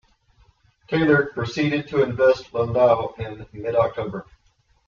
Tallard proceeded to invest Landau in mid October.